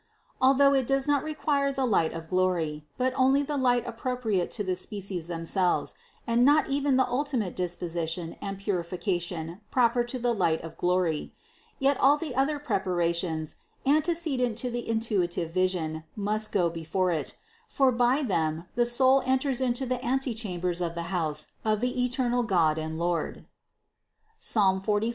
Al though it does not require the light of glory, but only the light appropriate to the species themselves, and not even the ultimate disposition and purification proper to the light of glory; yet all the other preparations antecedent to the intuitive vision, must go before it ; for by them the soul enters into the antechambers of the house of the eternal God and Lord (Psalm 45, 5).